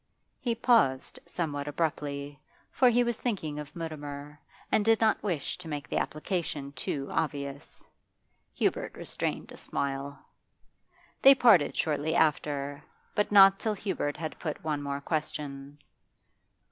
He paused somewhat abruptly, for he was thinking of Mutimer, and did not wish to make the application too obvious. Hubert restrained a smile. They parted shortly after, but not till Hubert had put one more question.